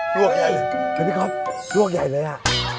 โอ้โฮมีถ้าพี่ก๊อฟร่วงใหญ่เลยอ่ะ